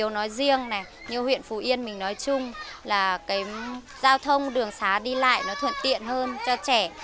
nói riêng này như huyện phú yên mình nói chung là cái giao thông đường xá đi lại nó thuận tiện hơn cho trẻ